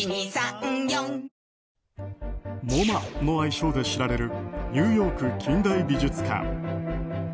ＭｏＭＡの愛称で知られるニューヨーク近代美術館。